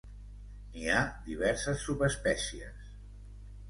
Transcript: N'hi ha diverses subespècies.